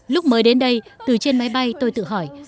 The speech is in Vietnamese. lúc mới đến đây từ trên máy bay tôi tự hỏi